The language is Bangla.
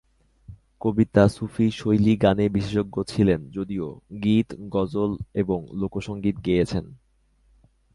কবিতা সুফি-শৈলি গানে বিশেষজ্ঞ ছিলেন যদিও গীত, গজল এবং লোকসঙ্গীত গেয়েছেন।